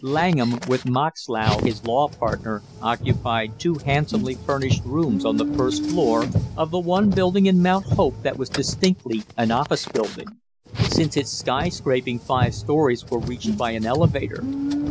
Langham, with Moxlow, his law partner, occupied two handsomely furnished rooms on the first floor, of the one building in Mount Hope that was distinctly an office building, since its sky scraping five stories were reached by an elevator.